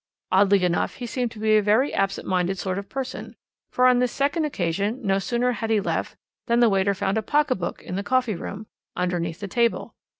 "Oddly enough he seemed to be a very absent minded sort of person, for on this second occasion, no sooner had he left than the waiter found a pocket book in the coffee room, underneath the table.